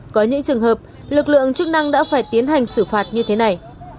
có những trường hợp lực lượng chức năng đã phải tiến hành xử phạt như thế này